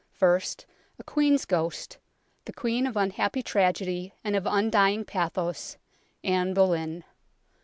First, a Queen's ghost, the Queen of unhappy tragedy and of undying pathos Anne Boleyn.